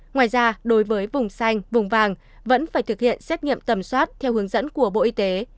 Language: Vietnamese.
ngoài ra đối với vùng xanh vùng vàng vẫn phải thực hiện xét nghiệm tầm soát theo hướng dẫn của bộ y tế